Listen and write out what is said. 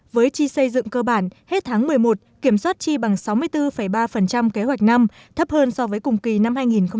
với chi xây dựng cơ bản hết tháng một mươi một kiểm soát chi bằng sáu mươi bốn ba kế hoạch năm thấp hơn so với cùng kỳ năm hai nghìn một mươi chín